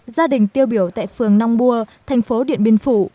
gia đình tiêu biểu tại phường nong bua thành phố điện biên phủ